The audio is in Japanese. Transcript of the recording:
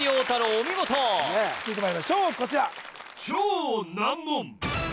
お見事続いてまいりましょうこちら